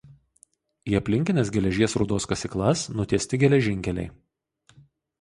Į aplinkines geležies rūdos kasyklas nutiesti geležinkeliai.